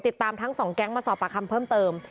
ทั้งสองแก๊งมาสอบปากคำเพิ่มเติม